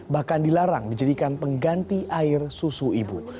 bahkan dilarang dijadikan pengganti air susu ibu